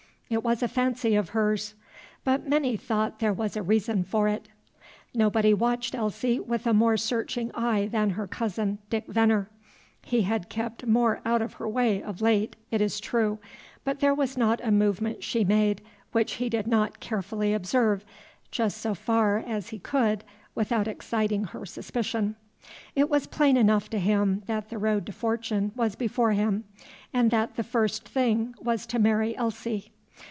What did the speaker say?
It was a fancy of hers, but many thought there was a reason for it. Nobody watched Elsie with a more searching eye than her cousin, Dick Venner. He had kept more out of her way of late, it is true, but there was not a movement she made which he did not carefully observe just so far as he could without exciting her suspicion. It was plain enough to him that the road to fortune was before him, and that the first thing was to marry Elsie.